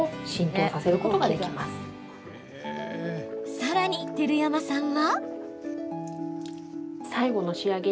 さらに、照山さんは。